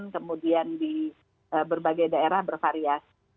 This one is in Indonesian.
kemudian di berbagai daerah bervariasi